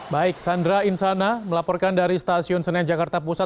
baik sandra insana melaporkan dari stasiun senen jakarta pusat